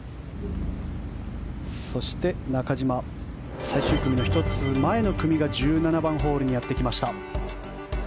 そして、中島最終組の１つ前の組が１７番ホールにやってきました。